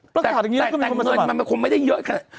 ประกาศอย่างนี้ก็ไม่ค่อยมาสมัครแต่เงินมันคงไม่ได้เยอะขนาด